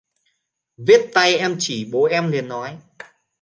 Viết tay em chỉ bố em liền nói